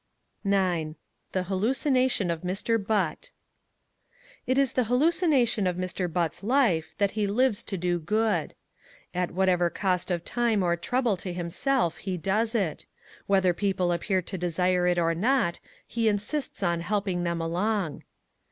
9. The Hallucination of Mr. Butt It is the hallucination of Mr. Butt's life that he lives to do good. At whatever cost of time or trouble to himself, he does it. Whether people appear to desire it or not, he insists on helping them along.